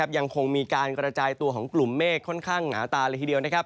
ยังคงมีการกระจายตัวของกลุ่มเมฆค่อนข้างหนาตาเลยทีเดียว